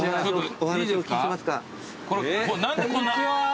これ何でこんな。